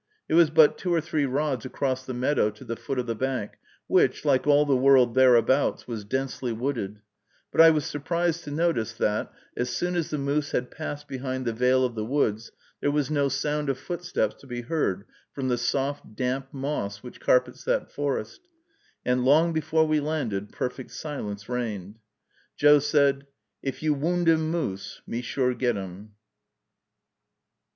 It was but two or three rods across the meadow to the foot of the bank, which, like all the world thereabouts, was densely wooded; but I was surprised to notice, that, as soon as the moose had passed behind the veil of the woods, there was no sound of footsteps to be heard from the soft, damp moss which carpets that forest, and long before we landed, perfect silence reigned. Joe said, "If you wound 'em moose, me sure get 'em."